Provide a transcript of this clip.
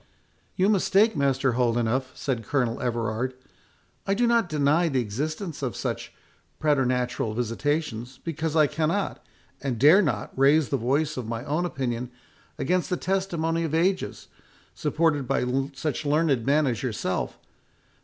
"You mistake, Master Holdenough," said Colonel Everard; "I do not deny the existence of such preternatural visitations, because I cannot, and dare not, raise the voice of my own opinion against the testimony of ages, supported by such learned men as yourself.